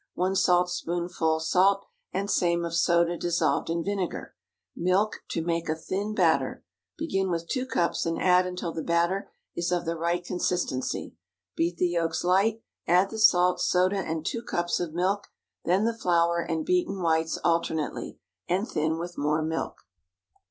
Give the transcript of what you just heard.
1 saltspoonful salt, and same of soda dissolved in vinegar. Milk to make a thin batter. Begin with two cups and add until the batter is of the right consistency. Beat the yolks light, add the salt, soda, and two cups of milk, then the flour and beaten whites alternately, and thin with more milk.